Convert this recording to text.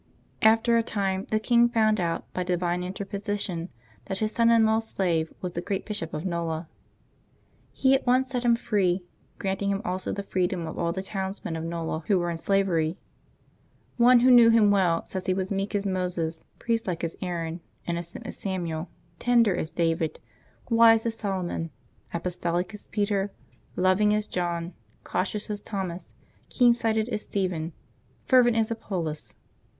After a time the king found out, by divine interposition, that his son in law's slave was the great Bishop of ISTola. He at once set him free, granting him also the freedom of all the towns men of Kola who were in slavery. One who knew him well says he was meek as Moses, priestlike as Aaron, innocent as Samuel, tender as David, wise as Solomon, apostolic as Peter, loving as John, cautious as Thomas, keen sighted as Stephen, fervent as Apollos.